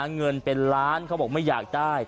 เงินเป็นล้านเขาบอกไม่อยากได้